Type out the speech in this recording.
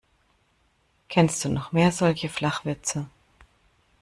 Kennst du noch mehr solche Flachwitze?